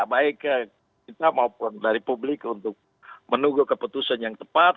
baik kita maupun dari publik untuk menunggu keputusan yang tepat